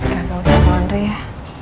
gak usah ngondri ya